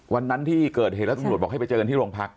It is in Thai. วันนั้นที่เกิดเหตุแล้วตำรวจบอกให้ไปเจอกันที่โรงพัก